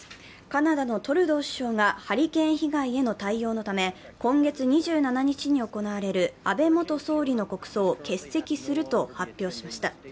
カナダのトルドー首相がハリケーン被害への対応のため今月２７日に行われる安倍元総理の国葬を欠席すると発表しました。